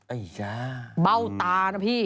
อัยยะอืมเบ้าตานะพี่